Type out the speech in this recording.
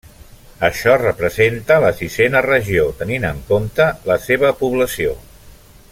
Això representa la sisena regió tenint en compte la seva població.